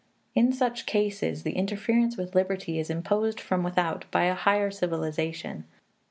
In such cases, the interference with liberty is imposed from without by a higher civilization.